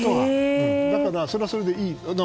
だから、それはそれでいい。